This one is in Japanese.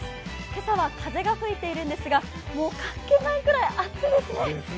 今朝は風が吹いているんですが、もう関係ないくらい暑いですね。